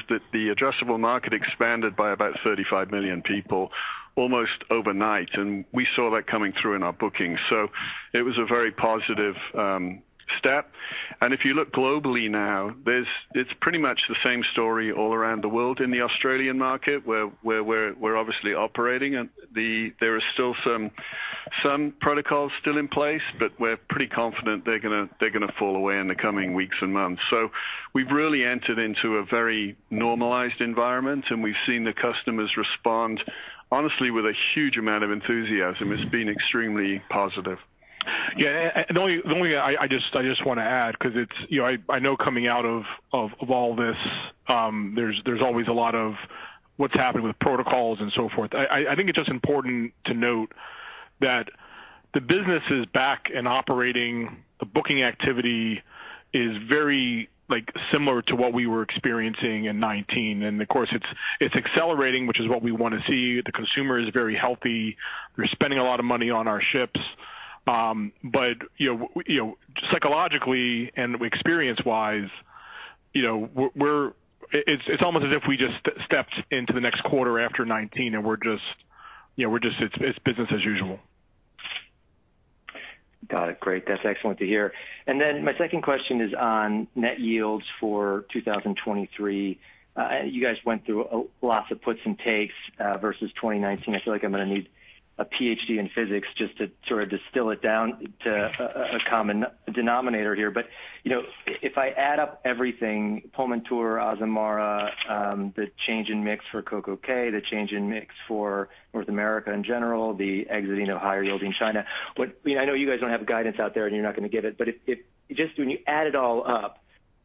that the addressable market expanded by about 35 million people almost overnight, and we saw that coming through in our bookings. It was a very positive step. If you look globally now, it's pretty much the same story all around the world in the Australian market where we're obviously operating. There are still some protocols still in place, but we're pretty confident they're gonna fall away in the coming weeks and months. We've really entered into a very normalized environment, and we've seen the customers respond, honestly, with a huge amount of enthusiasm. It's been extremely positive. Yeah, I just wanna add 'cause it's, you know, I know coming out of all this, there's always a lot of what's happening with protocols and so forth. I think it's just important to note that the business is back and operating. The booking activity is very, like, similar to what we were experiencing in 2019. Of course, it's accelerating, which is what we wanna see. The consumer is very healthy. They're spending a lot of money on our ships. But, you know, psychologically and experience-wise, you know, it's almost as if we just stepped into the next quarter after 2019, and we're just, you know, it's business as usual. Got it. Great. That's excellent to hear. My second question is on net yields for 2023. You guys went through a lot of puts and takes versus 2019. I feel like I'm gonna need a PhD in physics just to sort of distill it down to a common denominator here. You know, if I add up everything, Pullmantur, Azamara, the change in mix for CocoCay, the change in mix for North America in general, the exiting of higher yielding China. You know, I know you guys don't have guidance out there, and you're not gonna give it, but if, when you add it all up,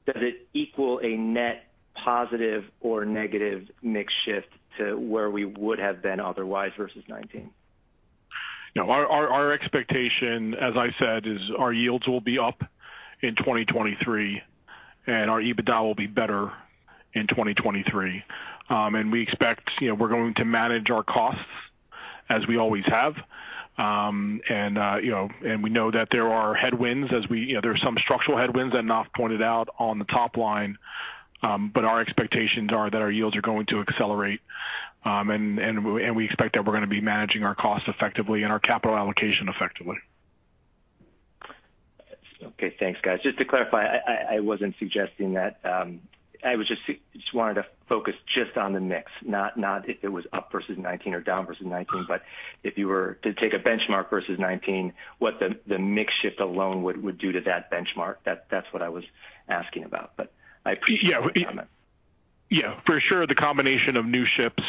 does it equal a net positive or negative mix shift to where we would have been otherwise versus 2019? No, our expectation, as I said, is our yields will be up in 2023, and our EBITDA will be better in 2023. We expect, you know, we're going to manage our costs as we always have. We know that there are some structural headwinds that Naftali pointed out on the top line. Our expectations are that our yields are going to accelerate. We expect that we're gonna be managing our costs effectively and our capital allocation effectively. Okay. Thanks, guys. Just to clarify, I wasn't suggesting that. I just wanted to focus just on the mix, not if it was up versus 2019 or down versus 2019. If you were to take a benchmark versus 2019, what the mix shift alone would do to that benchmark. That's what I was asking about, but I appreciate. Yeah. The comment. Yeah. For sure, the combination of new ships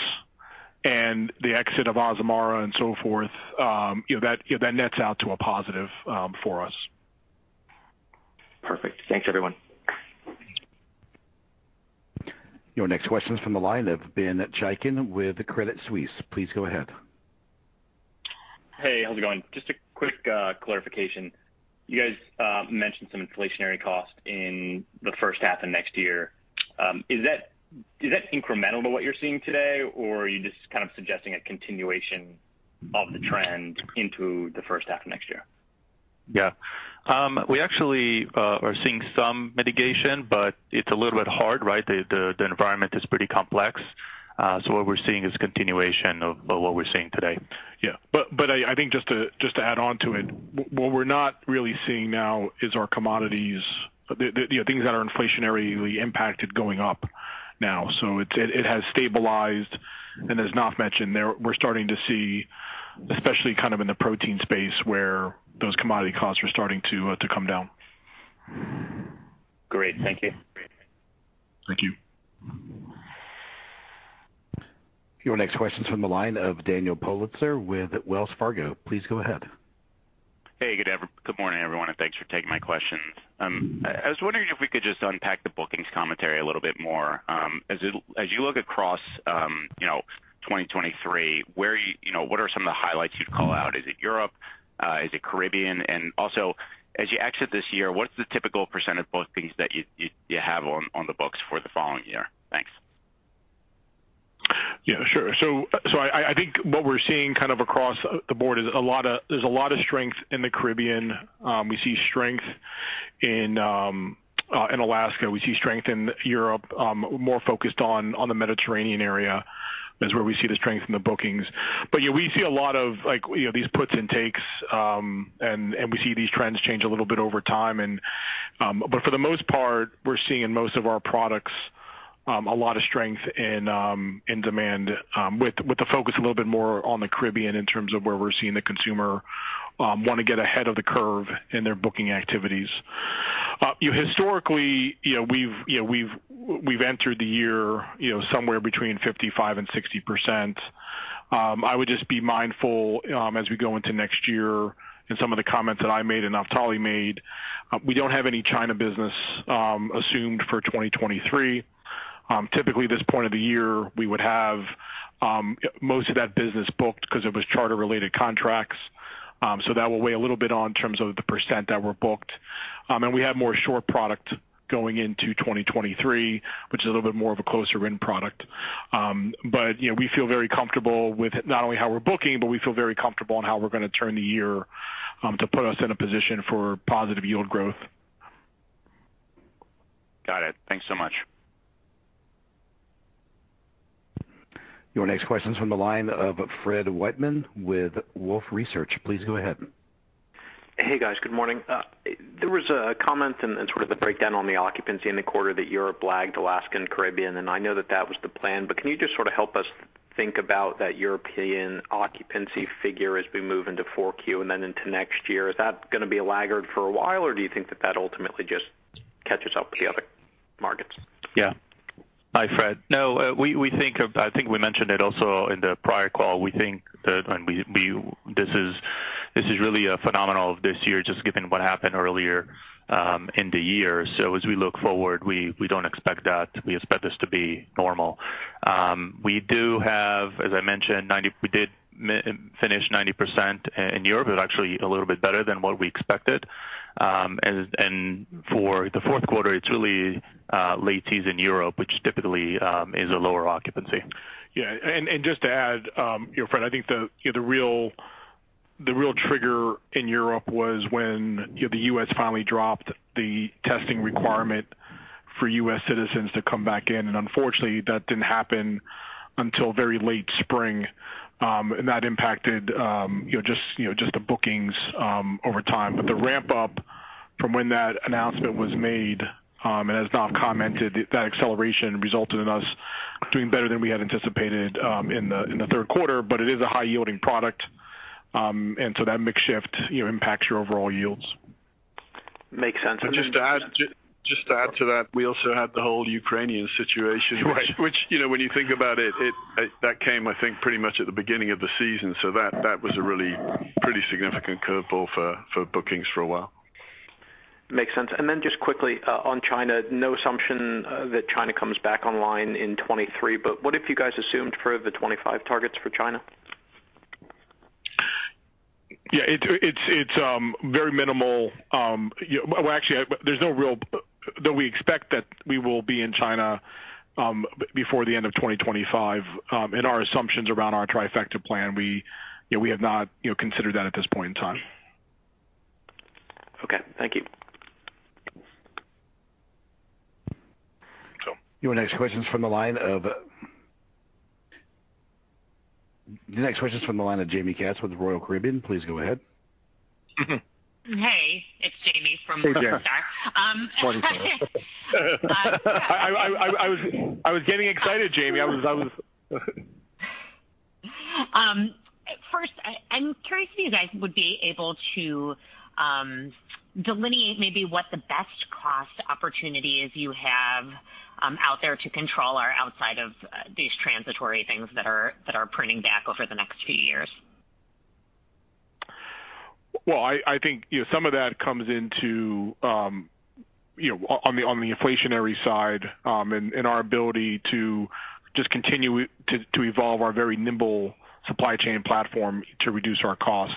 and the exit of Azamara and so forth, you know, that, you know, that nets out to a positive, for us. Perfect. Thanks, everyone. Your next question is from the line of Ben Chaiken with the Credit Suisse. Please go ahead. Hey, how's it going? Just a quick clarification. You guys mentioned some inflationary costs in the first half of next year. Is that incremental to what you're seeing today or are you just kind of suggesting a continuation of the trend into the first half next year? Yeah. We actually are seeing some mitigation, but it's a little bit hard, right? The environment is pretty complex. What we're seeing is continuation of what we're seeing today. Yeah. I think just to add on to it, what we're not really seeing now is our commodities, you know, things that are inflationary impacted going up now. It has stabilized, and as Naf mentioned, we're starting to see, especially kind of in the protein space, where those commodity costs are starting to come down. Great. Thank you. Thank you. Your next question's from the line of Daniel Politzer with Wells Fargo. Please go ahead. Good morning, everyone, and thanks for taking my questions. I was wondering if we could just unpack the bookings commentary a little bit more. As you look across, you know, 2023, where, you know, what are some of the highlights you'd call out? Is it Europe? Is it Caribbean? Also, as you exit this year, what's the typical % of bookings that you have on the books for the following year? Thanks. Yeah, sure. I think what we're seeing kind of across the board is there's a lot of strength in the Caribbean. We see strength in Alaska. We see strength in Europe, more focused on the Mediterranean area is where we see the strength in the bookings. Yeah, we see a lot of, like, you know, these puts and takes, and we see these trends change a little bit over time. For the most part, we're seeing in most of our products a lot of strength in demand, with the focus a little bit more on the Caribbean in terms of where we're seeing the consumer wanna get ahead of the curve in their booking activities. You know, historically, you know, we've entered the year, you know, somewhere between 55% and 60%. I would just be mindful as we go into next year in some of the comments that I made and Naftali made, we don't have any China business assumed for 2023. Typically this point of the year, we would have most of that business booked 'cause it was charter-related contracts, so that will weigh a little bit on in terms of the percent that were booked. We have more short product going into 2023, which is a little bit more of a closer-in product. You know, we feel very comfortable with not only how we're booking, but we feel very comfortable on how we're gonna turn the year, to put us in a position for positive yield growth. Got it. Thanks so much. Your next question's from the line of Fred Wightman with Wolfe Research. Please go ahead. Hey, guys, good morning. There was a comment and sort of the breakdown on the occupancy in the quarter that Europe lagged Alaska and Caribbean, and I know that was the plan, but can you just sort of help us think about that European occupancy figure as we move into 4Q and then into next year? Is that gonna be a laggard for a while, or do you think that ultimately just catches up with the other markets? Yeah. Hi, Fred. No, I think we mentioned it also in the prior call. We think that and this is really a phenomenal this year just given what happened earlier in the year. As we look forward, we don't expect that. We expect this to be normal. We do have, as I mentioned, we did finish 90% in Europe. It was actually a little bit better than what we expected. For the fourth quarter, it's really late season Europe, which typically is a lower occupancy. Yeah. Just to add, you know, Fred, I think the real trigger in Europe was when, you know, the U.S. finally dropped the testing requirement for U.S. citizens to come back in, and unfortunately, that didn't happen until very late spring, and that impacted, you know, just the bookings over time. The ramp up from when that announcement was made, and as Naf commented, that acceleration resulted in us doing better than we had anticipated in the third quarter, but it is a high-yielding product, and so that mix shift, you know, impacts your overall yields. Makes sense. Just to add to that, we also had the whole Ukrainian situation which. Right. Which, you know, when you think about it, that came, I think, pretty much at the beginning of the season, so that was a really pretty significant curveball for bookings for a while. Makes sense. Just quickly, on China, no assumption that China comes back online in 2023, but what if you guys assumed for the 2025 targets for China? Yeah, it's very minimal. Though we expect that we will be in China before the end of 2025, in our assumptions around our Trifecta Program, you know, we have not, you know, considered that at this point in time. Okay. Thank you. Your next question's from the line of Jaime Katz with Morningstar. Please go ahead. Hey, it's Jamie from Morningstar. Hey, Jamie. Sorry. I was getting excited, Jamie. I was First, I'm curious if you guys would be able to delineate maybe what the best cost opportunities you have out there to control are outside of these transitory things that are printing back over the next few years. I think you know some of that comes into on the inflationary side and our ability to just continue to evolve our very nimble supply chain platform to reduce our costs.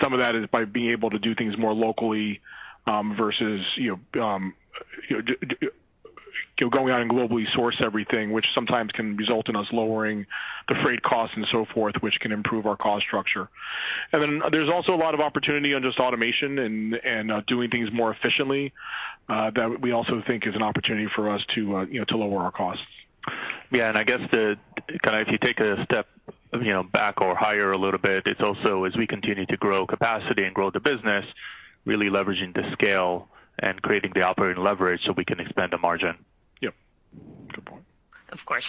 Some of that is by being able to do things more locally versus you know going out and globally source everything, which sometimes can result in us lowering the freight costs and so forth, which can improve our cost structure. There's also a lot of opportunity on just automation and doing things more efficiently that we also think is an opportunity for us to you know to lower our costs. Yeah. I guess kind of if you take a step, you know, back or higher a little bit, it's also as we continue to grow capacity and grow the business, really leveraging the scale and creating the operating leverage, so we can expand the margin. Yep. Good point. Of course.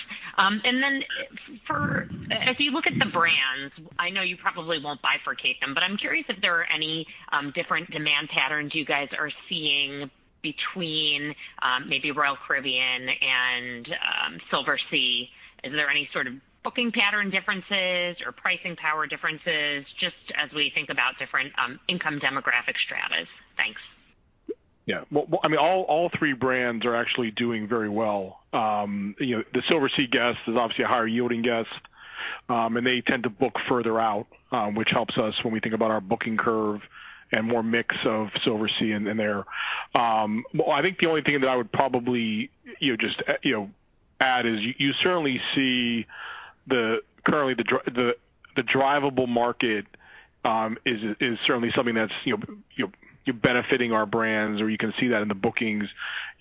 If you look at the brands, I know you probably won't bifurcate them, but I'm curious if there are any different demand patterns you guys are seeing between maybe Royal Caribbean and Silversea. Is there any sort of booking pattern differences or pricing power differences just as we think about different income demographic strata? Thanks. Yeah. Well, I mean, all three brands are actually doing very well. You know, the Silversea guest is obviously a higher yielding guest, and they tend to book further out, which helps us when we think about our booking curve and more mix of Silversea in there. Well, I think the only thing that I would probably, you know, just, you know, add is you certainly see currently the drivable market is certainly something that's benefiting our brands, or you can see that in the bookings.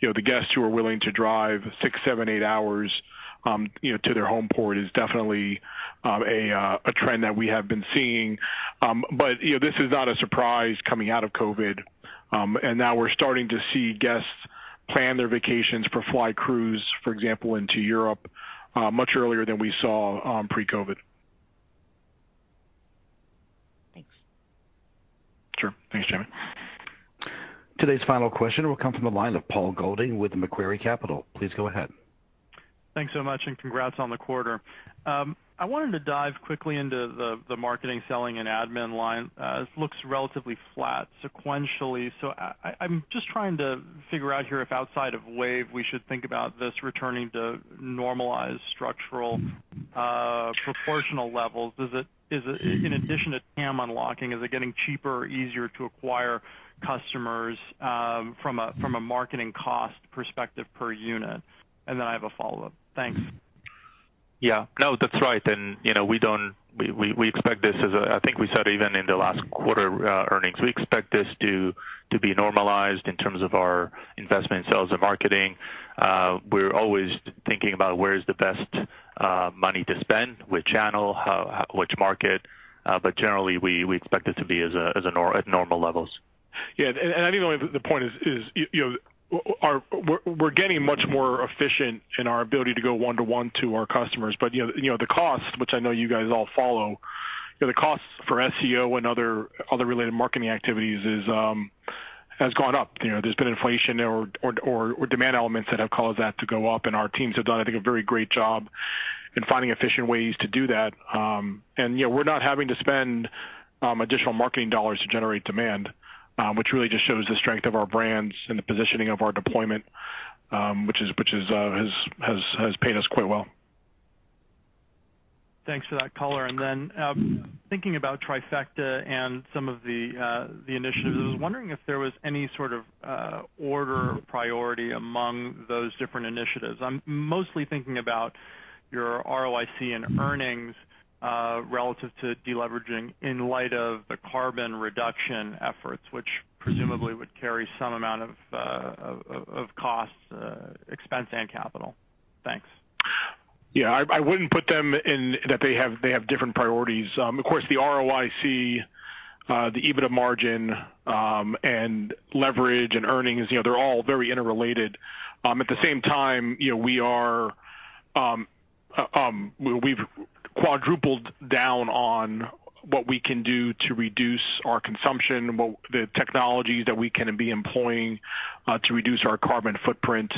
You know, the guests who are willing to drive six, seven, eight hours, you know, to their home port is definitely a trend that we have been seeing. You know, this is not a surprise coming out of COVID, and now we're starting to see guests plan their vacations for fly cruise, for example, into Europe, much earlier than we saw pre-COVID. Thanks. Sure. Thanks, Jamie. Today's final question will come from the line of Paul Golding with Macquarie Capital. Please go ahead. Thanks so much, and congrats on the quarter. I wanted to dive quickly into the marketing, selling, and admin line. This looks relatively flat sequentially. I'm just trying to figure out here if outside of WAVE, we should think about this returning to normalized structural proportional levels. Is it in addition to TAM unlocking, is it getting cheaper or easier to acquire customers from a marketing cost perspective per unit? And then I have a follow-up. Thanks. Yeah. No, that's right. You know, we expect this. I think we said even in the last quarter earnings, we expect this to be normalized in terms of our investment sales and marketing. We're always thinking about where is the best money to spend, which channel, which market, but generally we expect it to be at normal levels. Yeah. I think the point is, you know, we're getting much more efficient in our ability to go one-to-one to our customers. You know, the cost, which I know you guys all follow, you know, the cost for SEO and other related marketing activities has gone up. You know, there's been inflation or demand elements that have caused that to go up and our teams have done, I think, a very great job in finding efficient ways to do that. You know, we're not having to spend additional marketing dollars to generate demand, which really just shows the strength of our brands and the positioning of our deployment, which has paid us quite well. Thanks for that color. Thinking about Trifecta and some of the initiatives, I was wondering if there was any sort of order priority among those different initiatives. I'm mostly thinking about your ROIC and earnings relative to deleveraging in light of the carbon reduction efforts, which presumably would carry some amount of of costs, expense and capital. Thanks. Yeah. I wouldn't put them in that they have different priorities. Of course, the ROIC, the EBITDA margin, and leverage and earnings, you know, they're all very interrelated. At the same time, you know, we've quadrupled down on what we can do to reduce our consumption, with the technologies that we can be employing, to reduce our carbon footprint.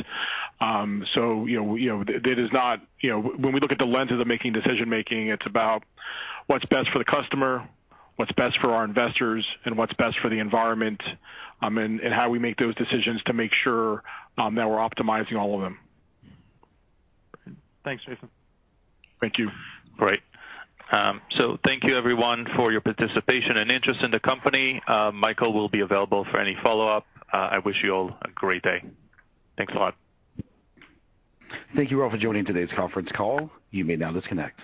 You know, it is not when we look through the lens of decision-making, it's about what's best for the customer, what's best for our investors, and what's best for the environment, and how we make those decisions to make sure that we're optimizing all of them. Thanks, Jason. Thank you. Great. So thank you everyone for your participation and interest in the company. Michael will be available for any follow-up. I wish you all a great day. Thanks a lot. Thank you all for joining today's conference call. You may now disconnect.